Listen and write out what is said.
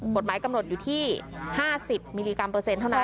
หมดไม้กำหนดอยู่ที่ห้าสิบมิลลิกรัมเปอร์เซ็นต์เท่านั้น